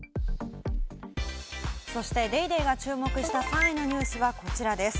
そして『ＤａｙＤａｙ．』が注目した３位のニュースはこちらです。